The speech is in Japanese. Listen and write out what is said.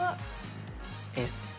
エースで。